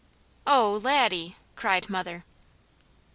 "Oh Laddie!" cried mother.